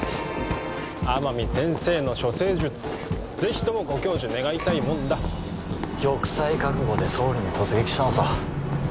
天海先生の処世術ぜひともご教授願いたいもんだ玉砕覚悟で総理に突撃したのさ